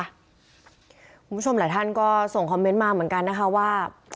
คุณผู้ชมหลายท่านก็ส่งคอมเมนต์มาเหมือนกันนะคะว่า